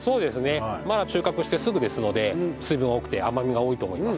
まだ収穫してすぐですので水分多くて甘みが多いと思います。